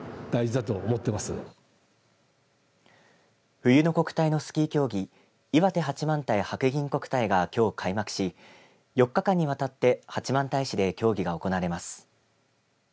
冬の国体のスキー競技いわて八幡平白銀国体がきょう開幕し４日間にわたって八幡平市で競技が行われます。